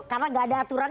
karena gak ada aturan